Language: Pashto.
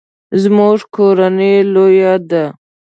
زموږ کورنۍ لویه ده